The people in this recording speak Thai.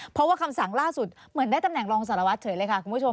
เพราะว่าคำสั่งล่าสุดเหมือนได้ตำแหน่งรองสารวัตรเฉยเลยค่ะคุณผู้ชม